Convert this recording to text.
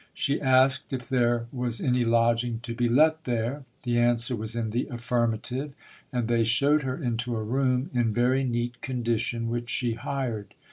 She asked if there was any lodging to be let there. The answer was in the affirmative ; and they showed her into a room in very neat condition, which she hired.